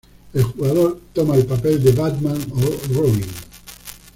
El jugador toma el papel de Batman o Robin.